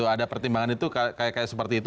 ada pertimbangan itu kayak seperti itu